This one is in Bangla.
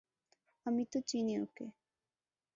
আমি তো চিনি ওঁকে।